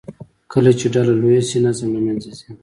کله چې ډله لویه شي، نظم له منځه ځي.